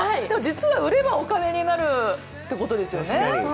でも、実は売ればお金になるということですよね。